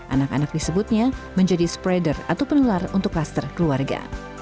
anak anak disebutnya menjadi spreader atau penular untuk klaster keluarga